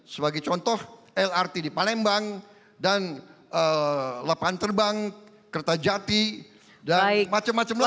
sebagai contoh lrt di palembang dan lapan terbang kerta jati dan macam macam lagi